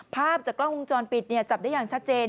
ภาพจากกล้องวงจรปิดจับได้อย่างชัดเจน